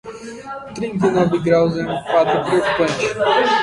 Trinta e nove graus, é um quadro preocupante.